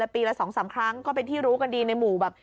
ปีละ๒๓ครั้งก็เป็นที่รู้กันดีในหมู่แบบ